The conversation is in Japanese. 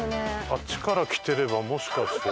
あっちから来てればもしかして。